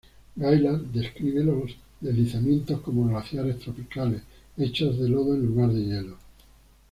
Gaillard describe los deslizamientos como glaciares tropicales, hechos de lodo en lugar de hielo.